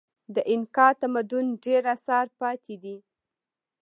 د اینکا تمدن ډېر اثار پاتې دي.